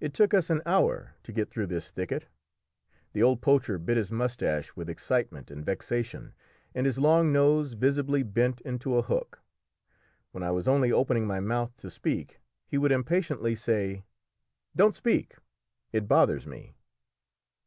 It took us an hour to get through this thicket. The old poacher bit his moustache with excitement and vexation, and his long nose visibly bent into a hook. When I was only opening my mouth to speak, he would impatiently say "Don't speak it bothers me!"